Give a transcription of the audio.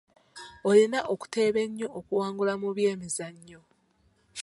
Olina okuteeba ennyo okuwangula mu byemizannyo.